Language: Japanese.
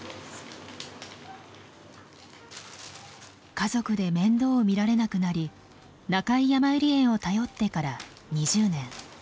家族で面倒をみられなくなり中井やまゆり園を頼ってから２０年。